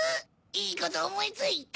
いいことおもいついた！